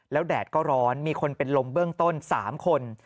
แล้วแดดก็ร้อนมีคนเป็นลมเบื้องต้น๓คน